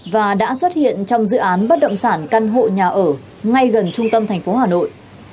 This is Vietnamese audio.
và đã xuất hiện trong dự án bất động sản căn hộ nhà ở ngay gần trung tâm thành phố hà nội